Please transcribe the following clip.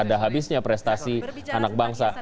ada habisnya prestasi anak bangsa